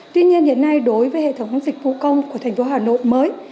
tuy nhiên hiện nay đối với hệ thống dịch vụ công của thành phố hà nội mới